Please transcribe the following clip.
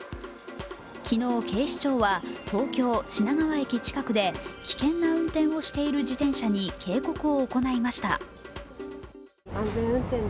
昨日、警視庁は東京・品川駅近くで危険な運転をしている自転車に警告を行いました。